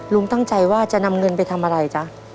ลุงตั้งใจว่าจะนำเงินไปทำอะไรจ๊ะ